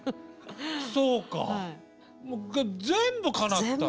そうか全部かなった。